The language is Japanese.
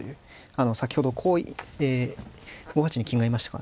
先ほどこう５八に金がいましたからね。